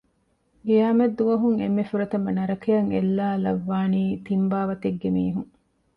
ޤިޔާމަތްދުވަހުން އެންމެ ފުރަތަމަ ނަރަކައަށް އެއްލައިލައްވާނީ ތިން ބާވަތެއްގެ މީހުން